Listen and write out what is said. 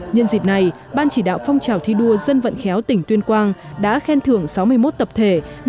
nhân dịp này ban chỉ đạo phong trào thi đua dân vận khéo tỉnh tuyên quang đã khen thưởng sáu mươi một tập thể